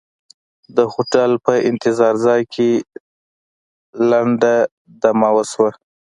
د هوټل په انتظار ځای کې لنډه دمې وشوه.